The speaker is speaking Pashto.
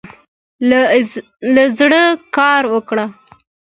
له زړۀ کار وکړه.